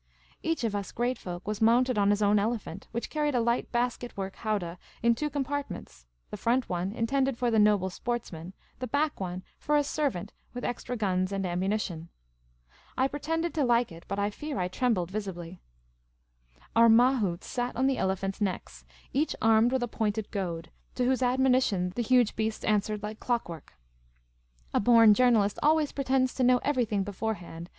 Each of us great folk was mounted on his own elephant, which carried a light basket work howdah in two compartments : the front one intended for the noble sportsman, the back one for a servant with extra guns and ammunition. I pretended to like it, but I fear I trembled 252 Miss Cayley's Adventures visibly. Our mahouts sat on the elephants' necks, each armed with a pointed goad, to whose admonition the huge beasts answered like clockwork. A born journalist always pretends to know everything beforehand